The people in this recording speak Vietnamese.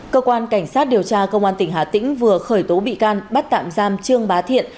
cơ quan cảnh sát điều tra công an tỉnh hà tĩnh vừa khởi tố bị can bắt tạm giam trương bá thiện